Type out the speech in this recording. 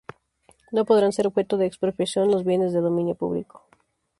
No podrán ser objeto de expropiación los bienes de dominio público.